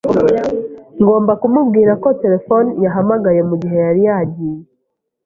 Ngomba kumubwira ko terefone yahamagaye mugihe yari yagiye.